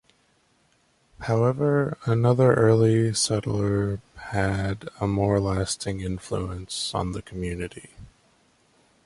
However, another early settler had a more lasting influence on the community.